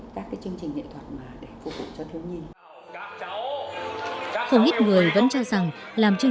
các chương trình nghệ thuật mà để phục vụ cho thiếu nhi không ít người vẫn cho rằng làm chương